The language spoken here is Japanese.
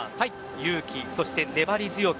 勇気、そして粘り強く。